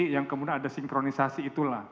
yang kemudian ada sinkronisasi itulah